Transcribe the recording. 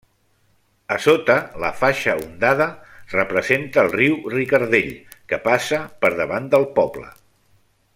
A sota, la faixa ondada representa el riu Ricardell, que passa per davant del poble.